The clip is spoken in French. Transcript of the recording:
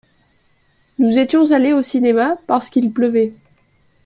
Nous étions allés au cinéma parce qu’il pleuvait.